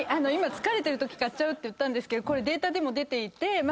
今疲れてるとき買っちゃうと言ったんですけどこれデータでも出ていて。